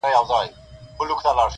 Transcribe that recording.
ګاونډي دي بچي پلوري له غربته,